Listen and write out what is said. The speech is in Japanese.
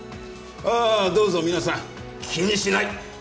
ああどうぞ皆さん気にしない！